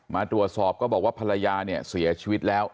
มาตรวจสอบก็บอกว่าภรรยาเนี่ยเสียชีวิตแล้ว